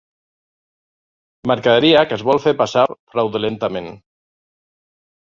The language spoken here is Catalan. Mercaderia que es vol fer passar fraudulentament.